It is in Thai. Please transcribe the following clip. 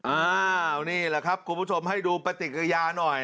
อ้าวนี่แหละครับคุณผู้ชมให้ดูปฏิกิริยาหน่อย